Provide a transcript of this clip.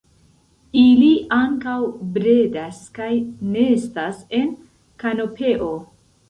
Ili ankaŭ bredas kaj nestas en kanopeo.